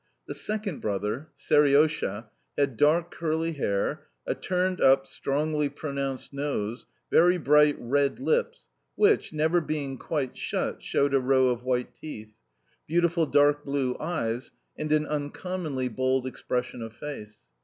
The second brother, Seriosha, had dark curly hair, a turned up, strongly pronounced nose, very bright red lips (which, never being quite shut, showed a row of white teeth), beautiful dark blue eyes, and an uncommonly bold expression of face.